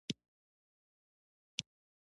له سم فکر نه سم عمل زېږي.